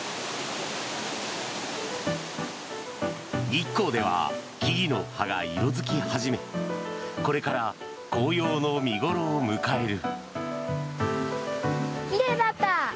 日光では木々の葉が色付き始めこれから紅葉の見頃を迎える。